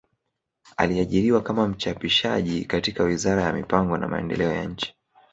Aliajiriwa kama mchapishaji katika wizara ya mipango na maendeleo ya nchi